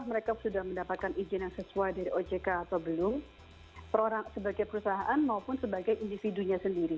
mungkin yang sesuai dari ojk atau belum sebagai perusahaan maupun sebagai individunya sendiri